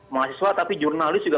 mahasiswa tapi jurnalis juga